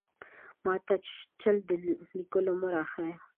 ماته چل د ليکلو مۀ راښايه!